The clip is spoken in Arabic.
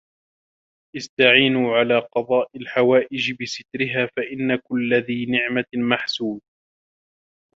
اسْتَعِينُوا عَلَى قَضَاءِ الْحَوَائِجِ بِسَتْرِهَا فَإِنَّ كُلَّ ذِي نِعْمَةٍ مَحْسُودٌ